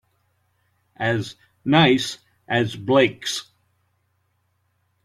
As nice as Blake's?